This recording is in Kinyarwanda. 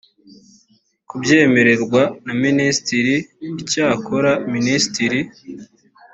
kubyemererwa na minisitiri icyakora minisitiri